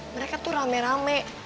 mereka tuh rame rame